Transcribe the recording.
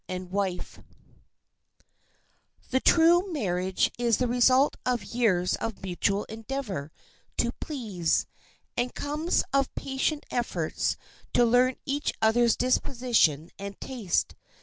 —MASSEY. The true marriage is the result of years of mutual endeavor to please, and comes of patient efforts to learn each other's disposition and taste.